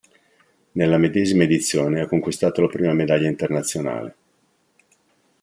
Nella medesima edizione ha conquistato la prima medaglia internazionale.